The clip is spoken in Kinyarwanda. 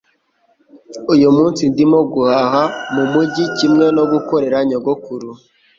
Uyu munsi ndimo guhaha mumujyi kimwe no gukorera nyogokuru